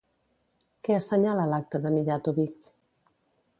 Què assenyala l'acta de Mijatović?